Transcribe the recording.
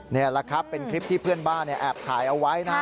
นี่แหละครับเป็นคลิปที่เพื่อนบ้านแอบถ่ายเอาไว้นะฮะ